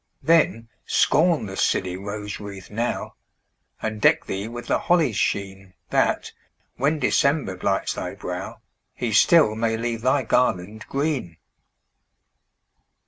Then, scorn the silly rose wreath now, And deck thee with the holly's sheen, That, when December blights thy brow, He still may leave thy garland green.